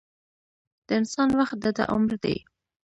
د انسان وخت دده عمر دی.